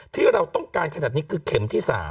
ที่เราต้องการขนาดนี้คือเข็มที่๓